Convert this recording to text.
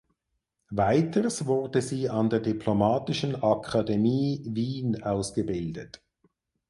Weiters wurde sie an der Diplomatischen Akademie Wien ausgebildet.